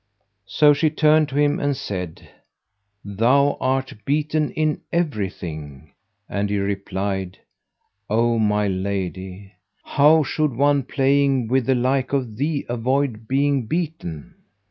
So she turned to him and said, "Thou art beaten in everything;" and he replied, "O my lady, how should one playing with the like of thee avoid being beaten?"